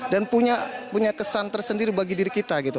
dan punya kesan tersendiri bagi diri kita gitu